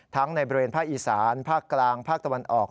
ในบริเวณภาคอีสานภาคกลางภาคตะวันออก